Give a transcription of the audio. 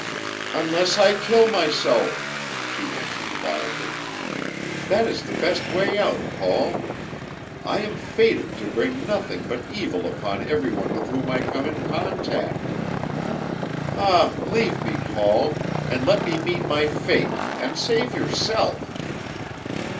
"Unless I kill myself," she answered wildly. "That is the best way out, Paul! I am fated to bring nothing but evil upon every one with whom I come in contact. Ah, leave me, Paul, and let me meet my fate, and save yourself!"